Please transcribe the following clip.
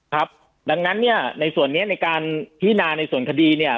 ครับดังนั้นเนี่ยในส่วนนี้ในการพินาในส่วนคดีเนี่ย